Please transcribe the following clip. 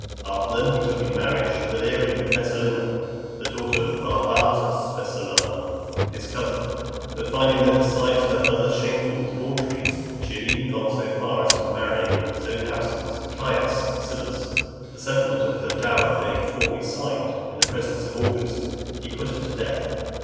After them he took in marriage Valeria Messalina, the daughter of Barbatus Messala, his cousin. But finding that, besides her other shameful debaucheries, she had even gone so far as to marry in his own absence Caius Silius, the settlement of her dower being formally signed, in the presence of the augurs, he put her to death.